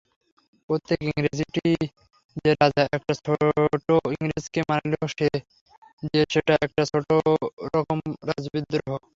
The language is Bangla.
প্রত্যেক ইংরেজটিই যে রাজা– একটা ছোটো ইংরেজকে মারলেও যে সেটা একটা ছোটোরকম রাজবিদ্রোহ।